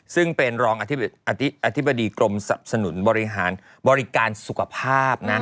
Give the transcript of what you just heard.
ซึ่งเป็นรองอธิบดีกรมสนุนบริการสุขภาพ